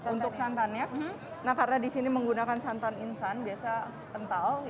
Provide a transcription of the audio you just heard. untuk santannya karena di sini menggunakan santan inshans bahkan angkasa kental